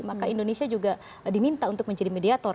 maka indonesia juga diminta untuk menjadi mediator